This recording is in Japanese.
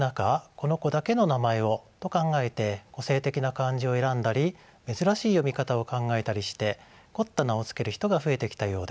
この子だけの名前をと考えて個性的な漢字を選んだり珍しい読み方を考えたりして凝った名を付ける人が増えてきたようです。